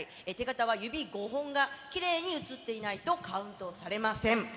手形は指５本がきれいに写っていないとカウントされません。